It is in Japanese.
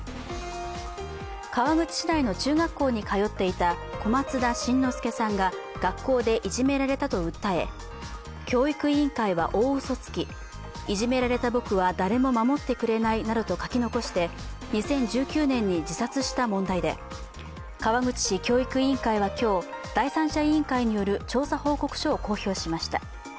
川口市内の中学校に通っていた小松田辰乃輔さんが学校でいじめられたと訴え、教育委員会は大うそつき、いじめられた僕は誰も守ってくれないなどと書き残して２０１９年に自殺した問題で川口市教育委員会は今日第三者委員会による調査報告書を公表しました。